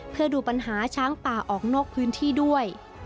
เพื่อดูปัญหาช้างป่าออกนอกพื้นที่ด้วย